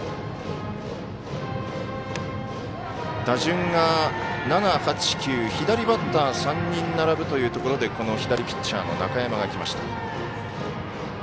打順が７、８、９左バッター３人並ぶというところでこの左ピッチャーの中山がきました。